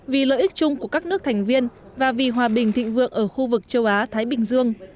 vì lợi ích chung của các nước thành viên và vì hòa bình thịnh vượng ở khu vực châu á thái bình dương